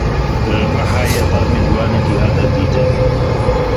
Li Rihayê termê ciwanekî hat dîtin.